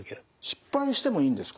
失敗してもいいんですか？